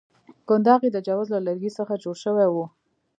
کنداغ یې د جوز له لرګي څخه جوړ شوی وو.